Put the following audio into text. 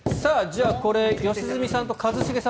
これ、良純さんと一茂さん